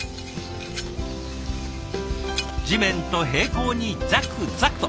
地面と平行にザクザクと。